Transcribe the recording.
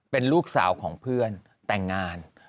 เป็นลูกสาวของเพื่อนแต่งงาน